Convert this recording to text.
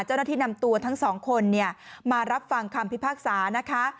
เจ้าหน้าที่นำตัวทั้งสองคนมารับฟังคำพิพากษานะคะ